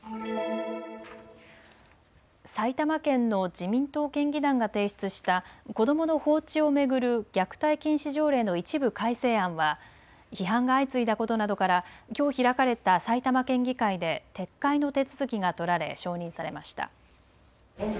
埼玉県の自民党県議団が提出した子どもの放置を巡る虐待禁止条例の一部改正案は批判が相次いだことなどからきょう開かれた埼玉県議会で撤回の手続きが取られ承認されました。